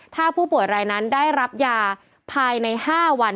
ถ้าผู้ป่วยรายนั้นได้รับยาภายใน๕วัน